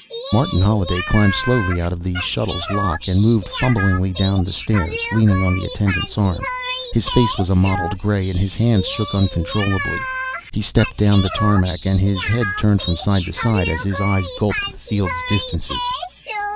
Martin Holliday climbed slowly out of the shuttle's lock and moved fumblingly down the stairs, leaning on the attendant's arm. His face was a mottled gray, and his hands shook uncontrollably. He stepped down to the tarmac and his head turned from side to side as his eyes gulped the field's distances.